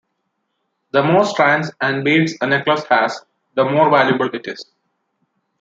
The more strands and beads a necklace has, the more valuable it is.